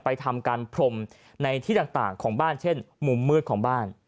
ทำการพรมในที่ต่างของบ้านเช่นมุมมืดของบ้าน